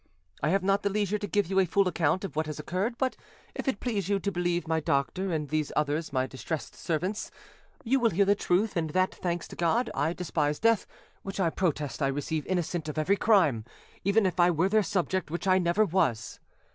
I have not the leisure to give you a full account of what has occurred; but if it please you to believe my doctor and these others my distressed servants, you will hear the truth, and that, thanks to God, I despise death, which I protest I receive innocent of every crime, even if I were their subject, which I never was.